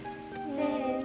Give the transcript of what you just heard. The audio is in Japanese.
せの。